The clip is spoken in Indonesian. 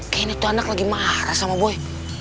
kayaknya tuh anak lagi marah sama buaya